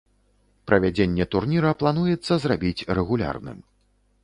Правядзенне турніра плануецца зрабіць рэгулярным.